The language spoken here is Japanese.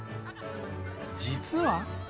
実は。